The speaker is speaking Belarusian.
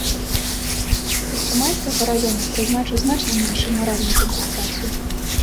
Першамайскага раёна прызначыў значна меншую маральную кампенсацыю.